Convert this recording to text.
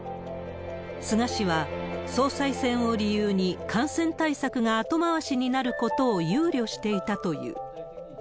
菅氏は、総裁選を理由に感染対策が後回しになることを憂慮していたという。